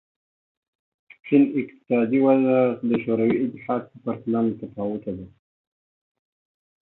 چین اقتصادي وده د شوروي اتحاد په پرتله متفاوته ده.